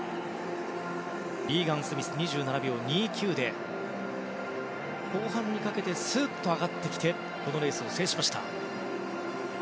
リーガン・スミス、２７秒２９で後半にかけてスッと上がってきてこのレースを制しました。